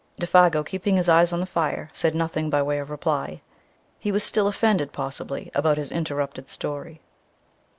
Défago, keeping his eyes on the fire, said nothing by way of reply. He was still offended, possibly, about his interrupted story.